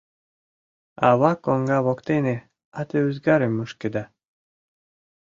Авам коҥга воктене ате-ӱзгарым мушкеда.